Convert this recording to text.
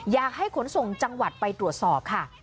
อยากให้ขนส่งจังหวัดไปตรวจสอบค่ะ